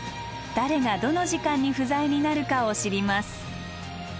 誰がどの時間に不在になるかを知ります。